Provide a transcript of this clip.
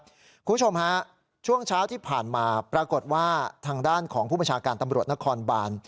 คุณผู้ชมฮะช่วงเช้าที่ผ่านมาปรากฏว่าทางด้านของผู้บัญชาการตำรวจนครบาน